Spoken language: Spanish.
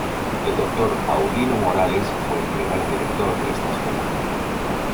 El Dr. Paulino Morales fue el primer Director de esta Escuela.